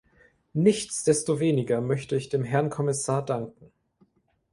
Nichtsdestoweniger möchte ich dem Herrn Kommissar danken.